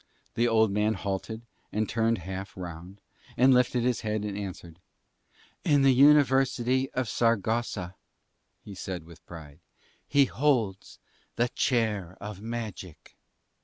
The old man halted and turned half round, and lifted his head and answered. "In the University of Saragossa," he said with pride, "he holds the Chair of Magic."